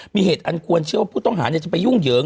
มีเหตุอันควรเชื่อว่าผู้ต้องหาจะไปยุ่งเหยิง